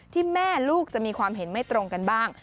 ที่แม่ลูกจะมีความเห็นไม่ตรงกันบ้าง